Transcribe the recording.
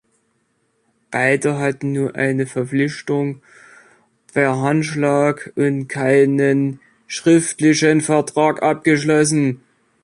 Beide hatten nur eine Verpflichtung per Handschlag und keinen schriftlichen Vertrag abgeschlossen.